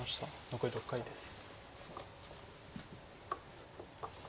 残り６回です。